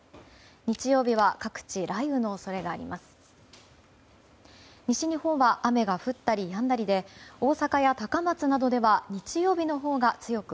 日曜日は各地雷雨の恐れがあります。